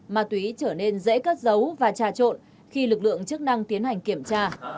ma túy trở nên dễ cất giấu và trà trộn khi lực lượng chức năng tiến hành kiểm tra